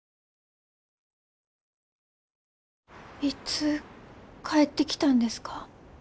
いつ帰ってきたんですか？